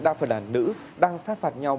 đa phần là nữ đang sát phạt nhau